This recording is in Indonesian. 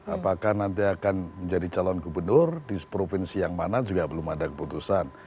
apakah nanti akan menjadi calon gubernur di provinsi yang mana juga belum ada keputusan